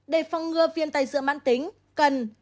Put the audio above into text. đề phòng ngừa viêm tay giữa mạng tính cần